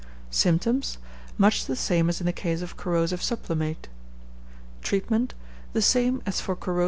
Symptoms. Much the same as in the case of corrosive sublimate.